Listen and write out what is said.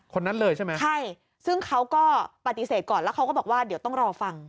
คนนั้นเลยใช่ไหมใช่ซึ่งเขาก็ปฏิเสธก่อนแล้วเขาก็บอกว่าเดี๋ยวต้องรอฟัง